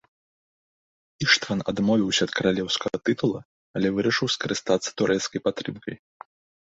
Іштван адмовіўся ад каралеўскага тытула, але вырашыў скарыстацца турэцкай падтрымкай.